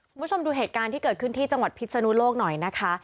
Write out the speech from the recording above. คุณผู้ชมดูเหตุการณ์ที่เกิดขึ้นที่จังหวัดพิษนุโลกหน่อยนะคะ